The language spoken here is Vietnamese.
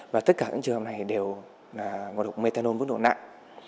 và tất cả những trường hợp này đều là nguồn độc methanol vấn đồ nặng